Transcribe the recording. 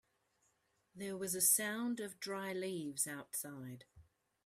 There was a sound of dry leaves outside.